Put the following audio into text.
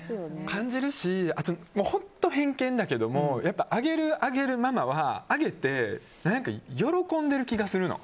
感じるし、あと本当、偏見だけれどもあげるあげるママはあげて喜んでる気がするの。